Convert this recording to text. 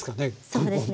そうですね